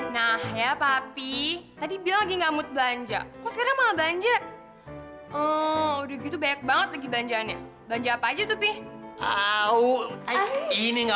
nah ya tapi tadi bilang gamut belanja